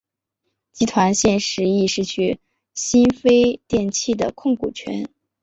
集团现时亦失去新飞电器的控股权。